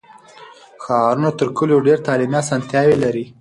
ښارونه تر کلیو ډېر تعلیمي اسانتیاوې لري.